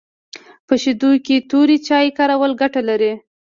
په شیدو کي توري چای کارول ګټه لري